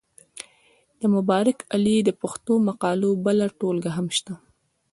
د مبارک علي د پښتو مقالو بله ټولګه هم شته.